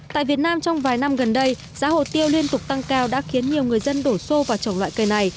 tại việt nam trong vài năm gần đây giá hồ tiêu liên tục tăng cao đã khiến nhiều người dân đổ xô vào trồng loại cây này